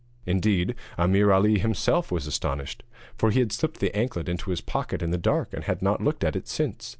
Indeed, Ameer Ali himself was astonished, for he had slipped the anklet into his pocket in the dark and had not looked at it since.